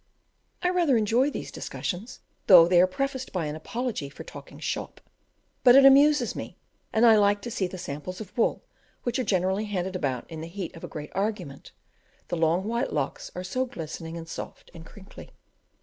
I rather enjoy these discussions, though they are prefaced by an apology for "talking shop;" but it amuses me, and I like to see the samples of wool, which are generally handed about in the heat of a great argument, the long white locks are so glistening, and soft, and crinkly.